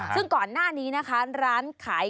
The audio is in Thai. ซึ่งก่อนหน้านี้นะคะร้านขาย